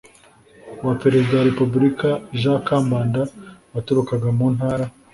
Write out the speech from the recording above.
wa Perezida wa Repubulika Jean Kambanda waturukaga mu ntara